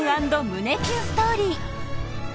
＆胸キュンストーリー